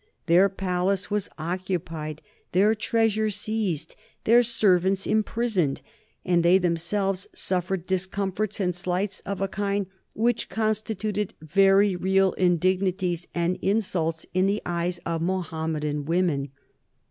Their palace was occupied, their treasure seized, their servants imprisoned, and they themselves suffered discomforts and slights of a kind which constituted very real indignities and insults in the eyes of Mohammedan women.